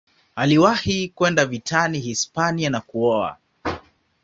Aliwahi kwenda vitani Hispania na kuoa.